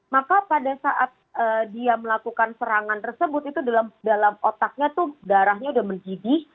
maka pada saat dia melakukan serangan tersebut itu dalam otaknya tuh darahnya udah mendidih